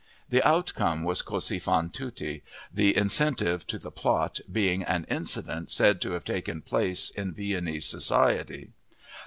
The outcome was Così fan tutte, the incentive to the plot being an incident said to have taken place in Viennese society.